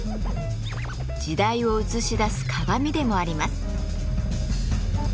時代を映し出す鏡でもあります。